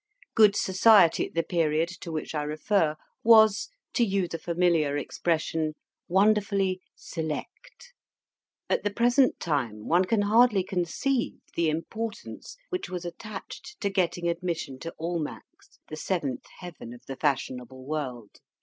Good society at the period to which I refer was, to use a familiar expression, wonderfully "select." At the present time one can hardly conceive the importance which was attached to getting admission to Almack's, the seventh heaven of the fashionable world.